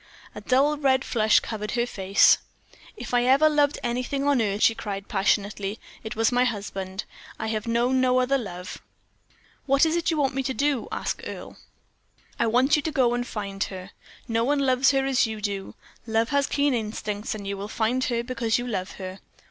A dull red flush covered her face. "If ever I loved anything on earth," she cried, passionately, "it was my husband I have known no other love." "What is that you want me to do?" asked Earle. "I want you to go and find her. No one loves her as you do. Love has keen instincts; you will find her because you love her.